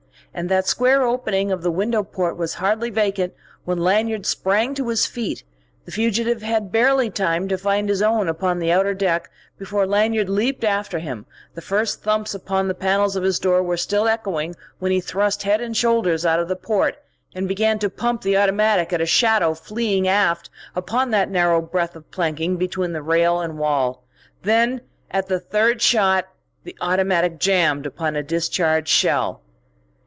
And that square opening of the window port was hardly vacant when Lanyard sprang to his feet; the fugitive had barely time to find his own upon the outer deck before Lanyard leaped after him; the first thumps upon the panels of his door were still echoing when he thrust head and shoulders out of the port and began to pump the automatic at a shadow fleeing aft upon that narrow breadth of planking between rail and wall. Then, at the third shot, the automatic jammed upon a discharged shell.